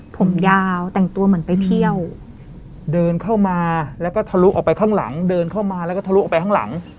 ผมยาวแต่งตัวเหมือนไปเที่ยวเดินเข้ามาแล้วก็ทะลุออกไปข้างหลัง